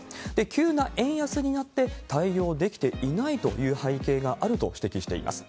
急な円安になって、対応できていないという背景があると指摘しています。